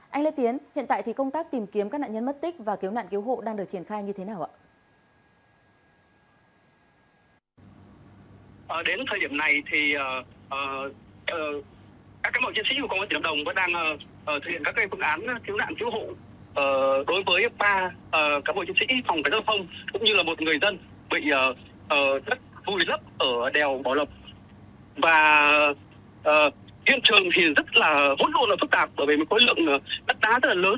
anh lê tiến hiện tại công tác tìm kiếm các nạn nhân mất tích và cứu nạn cứu hộ đang được triển khai như thế nào